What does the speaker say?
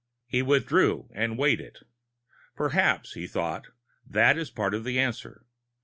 He withdrew and weighed it. Perhaps, he thought, that was a part of the answer.